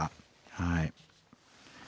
はい。